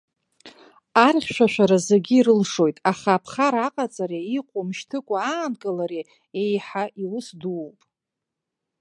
Архьшәашәара зегьы ирылшоит, аха аԥхара аҟаҵареи иҟоу мшьҭыкәа аанкылареи еиҳа иус дууп.